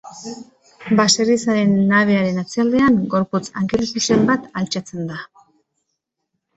Baselizaren nabearen atzealdean gorputz angeluzuzen bat altxatzen da.